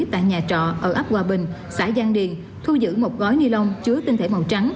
tại nhà trọ ở ấp hòa bình xã giang điền thu giữ một gói ni lông chứa tinh thể màu trắng